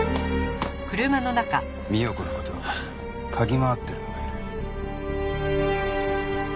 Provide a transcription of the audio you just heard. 三代子の事嗅ぎ回ってるのがいる。